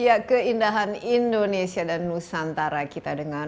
ya keindahan indonesia dan nusantara kita dengan